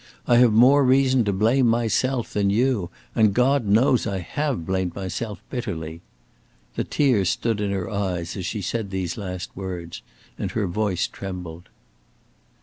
I have more reason to blame myself than you, and God knows I have blamed myself bitterly." The tears stood in her eyes as she said these last words, and her voice trembled.